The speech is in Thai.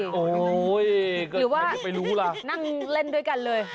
โอ้โหหรือว่าจะไปรู้ล่ะนั่งเล่นด้วยกันเลย